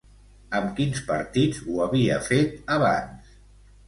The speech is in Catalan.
Amb quins partits ho havia fet abans?